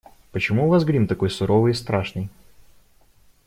Почему у вас грим такой суровый и страшный?